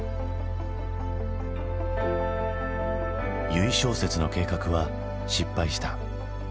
由井正雪の計画は失敗した。